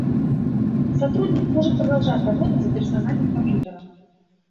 Сотрудник может продолжать работать за персональным компьютером